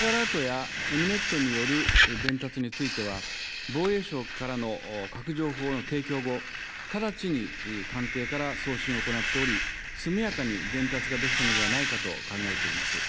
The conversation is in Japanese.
ＪアラートやＥｍ−Ｎｅｔによる伝達については、防衛省からの各情報の提供後、直ちに官邸から送信を行っており、速やかに伝達ができたのではないかと考えております。